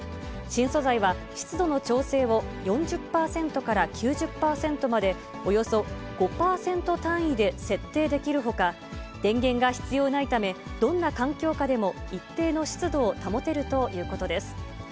新素材は湿度の調整を４０％から９０％まで、およそ５％単位で設定できるほか、電源が必要ないため、どんな環境下でも一定の湿度を保てるということです。